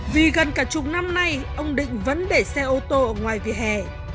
vì gần cả chục năm nay ông định vẫn để xe ô tô ngoài vỉa hè